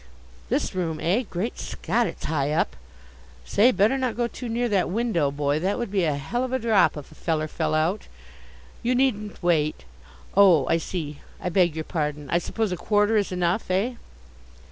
This room, eh! Great Scott, it's high up. Say, better not go too near that window, boy. That would be a hell of a drop if a feller fell out. You needn't wait. Oh, I see. I beg your pardon. I suppose a quarter is enough, eh?